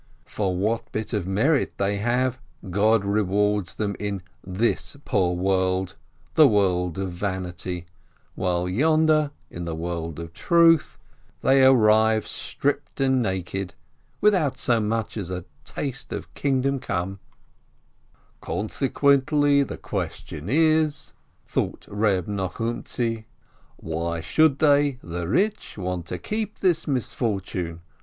For what bit of merit they have, God rewards them in this poor world, the world of vanity, while yonder, in the world of truth, they arrive stript and naked, without so much as a taste of Kingdom come ! THE MISFORTUNE 17 "Consequently, the question is," thought Reb Nochumtzi, "why should they, the rich, want to keep this misfortune?